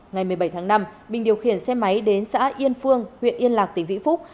ngày một mươi bảy tháng năm bình điều khiển xe máy đến xã yên phương huyện yên lạc tỉnh vĩnh phúc